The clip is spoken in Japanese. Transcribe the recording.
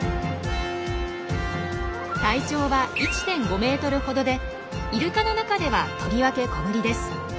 体長は１．５ｍほどでイルカの中ではとりわけ小ぶりです。